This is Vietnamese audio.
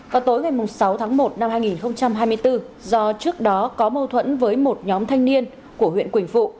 vào tối ngày sáu tháng một năm hai nghìn hai mươi bốn do trước đó có mâu thuẫn với một nhóm thanh niên của huyện quỳnh phụ